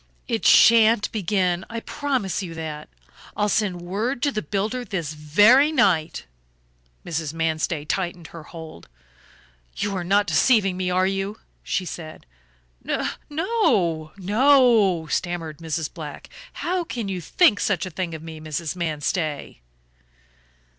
"It shan't begin, I promise you that; I'll send word to the builder this very night." Mrs. Manstey tightened her hold. "You are not deceiving me, are you?" she said. "No no," stammered Mrs. Black. "How can you think such a thing of me, Mrs. Manstey?"